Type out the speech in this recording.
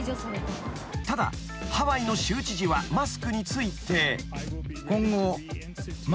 ［ただハワイの州知事はマスクについて］